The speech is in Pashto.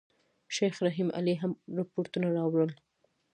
شیخ رحیم علي هم رپوټونه راوړل.